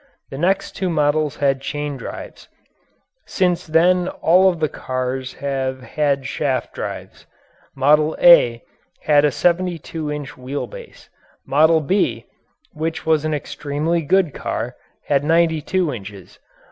The next two models had chain drives. Since then all of the cars have had shaft drives. "Model A" had a 72 inch wheel base. Model "B," which was an extremely good car, had 92 inches.